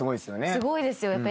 すごいですよ。